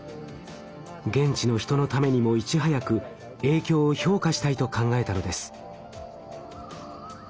現地の人のためにもいち早く影響を評価したいと考えたのです。